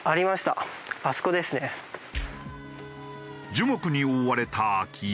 樹木に覆われた空き家。